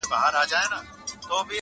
شمع چي لمبه نه سي رڼا نه وي٫